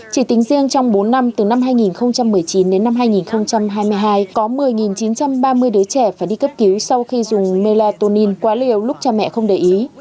chỉ tính riêng trong bốn năm từ năm hai nghìn một mươi chín đến năm hai nghìn hai mươi hai có một mươi chín trăm ba mươi đứa trẻ phải đi cấp cứu sau khi dùng melatonin quá liều lúc cha mẹ không để ý